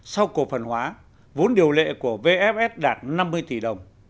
sau cổ phần hóa vốn điều lệ của vfs đạt năm mươi tỷ đồng